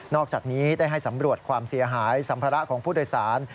อกจากนี้ได้ให้สำรวจความเสียหายสัมภาระของผู้โดยสาร